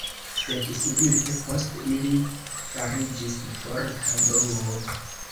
Sed subite post ili fariĝis forta bruo.